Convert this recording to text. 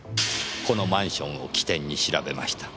このマンションを起点に調べました。